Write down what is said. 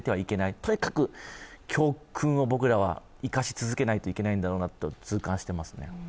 とにかく教訓を僕らは生かし続けないといけないなと痛感しています。